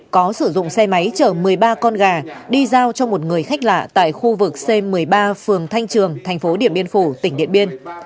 có sử dụng xe máy chở một mươi ba con gà đi giao cho một người khách lạ tại khu vực c một mươi ba phường thanh trường thành phố điện biên phủ tỉnh điện biên